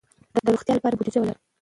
د روغتیا لپاره بودیجه ولرئ.